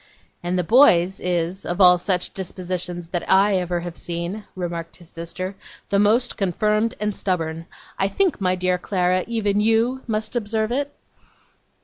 'And the boy's is, of all such dispositions that ever I have seen,' remarked his sister, 'the most confirmed and stubborn. I think, my dear Clara, even you must observe it?